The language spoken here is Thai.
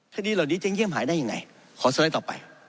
คดีเหล่านี้จะเยี่ยมหายได้ยังไงขอสไลด์ต่อไป